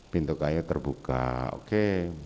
pintu kayu terbuka oke